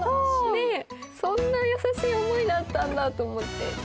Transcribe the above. で、そんな優しい思いだったんだって思って。